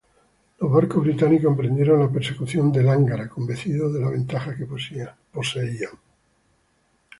Los barcos británicos emprendieron la persecución de Lángara convencidos de la ventaja que poseían.